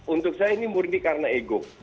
untuk saya ini murni karena ego